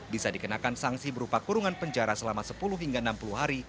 bisa dikenakan sanksi berupa kurungan penjara selama sepuluh hingga enam puluh hari